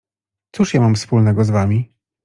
— Cóż ja mam wspólnego z wami?